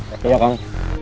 oke ya kang